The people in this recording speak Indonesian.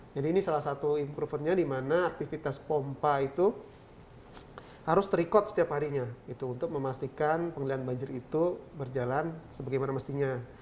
jadi ini salah satu improvernya di mana aktivitas pompa itu harus terikot setiap harinya untuk memastikan pengelian banjir itu berjalan sebagaimana mestinya